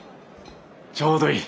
ちょうどいい。